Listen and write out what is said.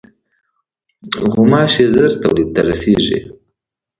غوماشې ژر تولید ته رسېږي.